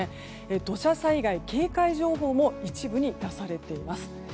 土砂災害警戒情報も一部に出されています。